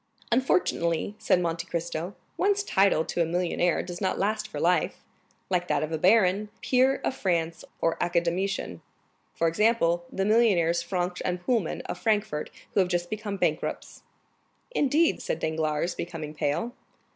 "Unfortunately," said Monte Cristo, "one's title to a millionaire does not last for life, like that of baron, peer of France, or academician; for example, the millionaires Franck & Poulmann, of Frankfurt, who have just become bankrupts." "Indeed?" said Danglars, becoming pale.